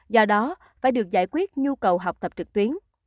do đó phải được giải quyết nhu cầu học tập trực tuyến